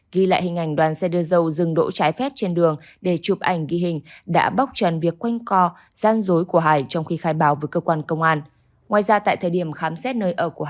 ghi lại hình ảnh đoàn xe đưa dâu dừng đỗ trái phép trên đường để chụp ảnh ghi hình đã bóc trần việc quanh co gian dối của hải trong khi khai báo với cơ quan công an